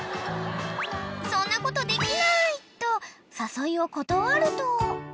［そんなことできないと誘いを断ると］